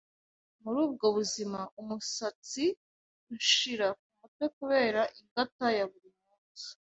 muri ubwo buzima, umusatsi unshira ku mutwe kubera ingata ya buri munsi